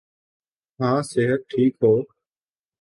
ہاں صحت ٹھیک ہو۔